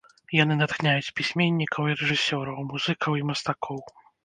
Яны натхняюць пісьменнікаў і рэжысёраў, музыкаў і мастакоў.